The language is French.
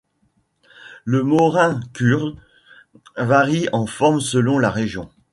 Le morin khuur varie en forme selon la région.